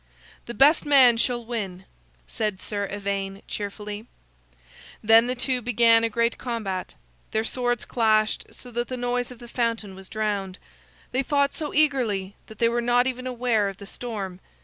"The best man shall win," said Sir Ivaine, cheerfully. Then the two began a great combat. Their swords clashed so that the noise of the fountain was drowned; they fought so eagerly that they were not even aware of the storm.